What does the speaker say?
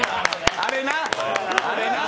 あれな。